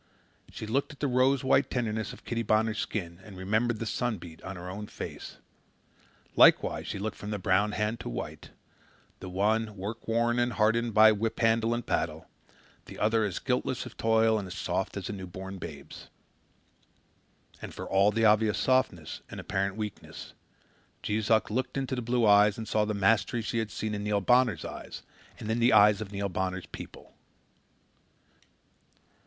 She looked at the rose white tenderness of Kitty Bonner's skin and remembered the sun beat on her own face. Likewise she looked from brown hand to white the one, work worn and hardened by whip handle and paddle, the other as guiltless of toil and soft as a newborn babe's. And, for all the obvious softness and apparent weakness, Jees Uck looked into the blue eyes and saw the mastery she had seen in Neil Bonner's eyes and in the eyes of Neil Bonner's people.